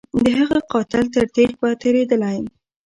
د هغه قاتل تر تیغ به تیریدلای